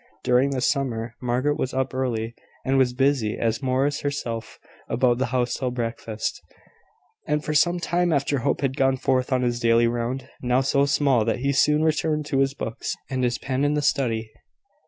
During this summer, Margaret was up early, and was busy as Morris herself about the house till breakfast, and for some time after Hope had gone forth on his daily round now so small that he soon returned to his books and his pen in the study.